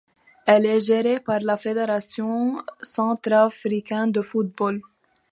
Elle est gérée par la Fédération centrafricaine de football.